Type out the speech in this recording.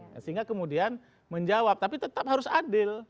sehingga kemudian menjawab tapi tetap harus adil